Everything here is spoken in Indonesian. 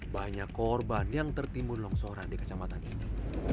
banyak korban yang tertimbun longsoran di kecamatan ini